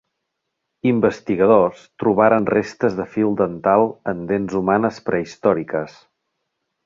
Investigadors trobaren restes de fil dental en dents humanes prehistòriques.